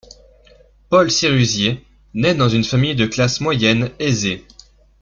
Paul Sérusier naît dans une famille de classe moyenne aisée.